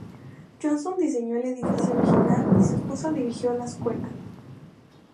Johnson diseñó el edificio original y su esposa dirigió la escuela.